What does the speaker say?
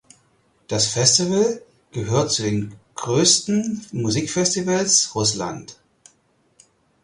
Das Festival gehört zu den größten Musikfestivals Russland.